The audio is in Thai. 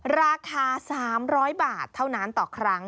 ราคา๓๐๐บาทเท่านั้นต่อครั้ง